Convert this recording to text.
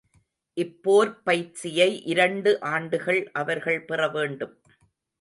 இப்போர்ப்பயிற்சியை இரண்டு ஆண்டுகள் அவர்கள் பெறவேண்டும்.